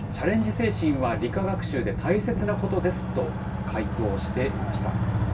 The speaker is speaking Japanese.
精神は理科学習で大切なことですと回答していました。